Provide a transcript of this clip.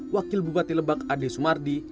wakil bupati lebak ade sumardi